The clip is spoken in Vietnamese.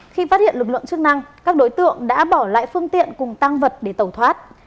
khi phát hiện lực lượng chức năng các đối tượng đã bỏ lại phương tiện cùng tăng vật để tẩu thoát